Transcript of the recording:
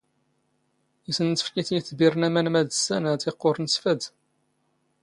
ⵉⵙ ⵏⵏ ⵜⴽⴼⵉⴷ ⵉ ⵉⵜⴱⵉⵔⵏ ⴰⵎⴰⵏ ⵎⴰⴷ ⵙⵙⴰⵏ ⵀⴰⵜⵉ ⵇⵇⵓⵔⵏ ⵙ ⴼⴰⴷ.